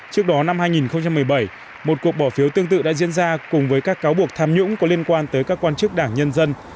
trước đó năm hai nghìn một mươi bảy một cuộc bỏ phiếu tương tự đã diễn ra cùng với các cáo buộc tham nhũng có liên quan tới các quan chức đảng nhân dân